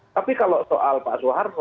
tapi kalau soal pak soeharto